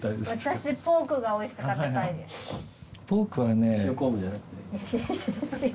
私ポークがおいしく食べたいです。